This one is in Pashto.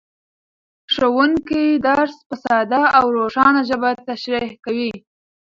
ښوونکی درس په ساده او روښانه ژبه تشریح کوي